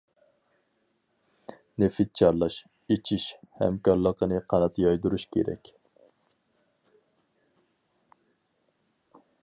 نېفىت چارلاش، ئېچىش ھەمكارلىقىنى قانات يايدۇرۇش كېرەك.